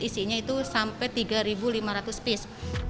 isinya itu sampai tiga lima ratus piece